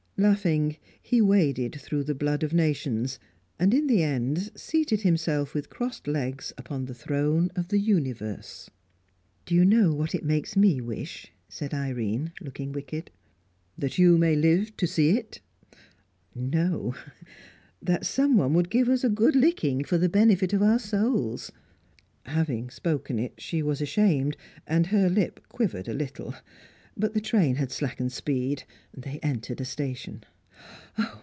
Laughing, he waded through the blood of nations, and in the end seated himself with crossed legs upon the throne of the universe. "Do you know what it makes me wish?" said Irene, looking wicked. "That you may live to see it?" "No. That someone would give us a good licking, for the benefit of our souls." Having spoken it, she was ashamed, and her lip quivered a little. But the train had slackened speed; they entered a station.